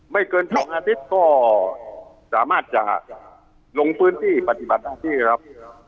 ไม่เกิน๒อาทิตย์ก็สามารถจะลงพื้นที่ปฏิบัติหน้าที่ครับ